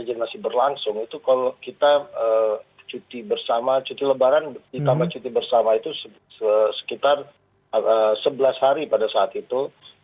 yang masih berlangsung itu kalau kita cuti bersama cuti lebaran ditambah cuti bersama itu sekitar sebelas hari pada saat itu